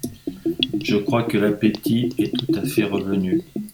Je crois que l'appétit est tout à fait revenu.